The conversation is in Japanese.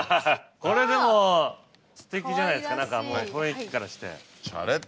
これでもすてきじゃないですか何かもう雰囲気からして。